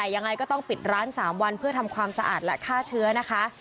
ยังไงก็ต้องปิดร้าน๓วันเพื่อทำความสะอาดและฆ่าเชื้อนะคะ